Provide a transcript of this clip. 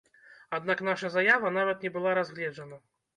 Аднак наша заява нават не была разгледжана.